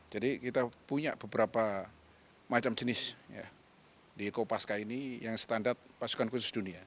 jadi kita punya beberapa macam jenis di eko paska ini yang standar pasukan khusus dunia